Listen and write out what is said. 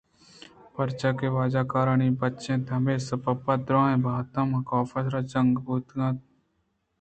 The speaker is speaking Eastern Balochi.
پرچاکہ واجہ کارانی بچ اَت ءُہمے سبب ءَ دُرٛاہیں بہتام کاف ءِ سرا جنگ بوت اَنت بلئے گپ ایش اِنت کہ آئی ءَاے وڑپرچا کرتگ اَت؟